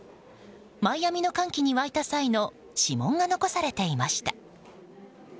マイアミの歓喜に沸いた際の指紋が残されていました。